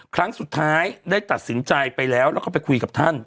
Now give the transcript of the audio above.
ครั้งสุดท้ายได้ตัดสินใจไปแล้วแล้วก็ไปคุยกับท่าน